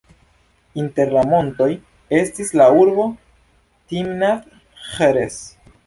Inter la montoj estis la urbo Timnat-Ĥeres.